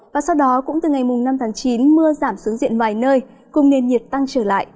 và sau đó cũng từ ngày năm tháng chín mưa giảm xuống diện vài nơi cùng nền nhiệt tăng trở lại